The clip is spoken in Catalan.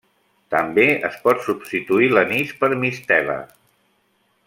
També es pot substituir l’anís per mistela.